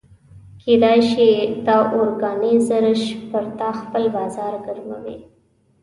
کېدای شي دا اورګنایزیش پر تا خپل بازار ګرموي.